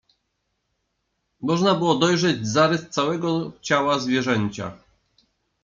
można było dojrzeć zarys całego ciała zwierzęcia.